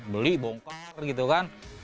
beli bongkar gitu kan